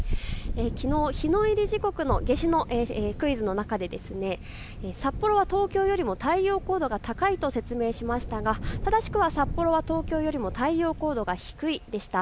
きのう日の入り時刻の夏至のクイズの中で札幌は東京よりも太陽高度が高いと説明しましたが正しくは札幌は東京よりも太陽高度が低いでした。